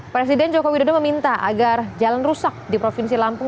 presiden joko widodo meminta agar jalan rusak di provinsi lampung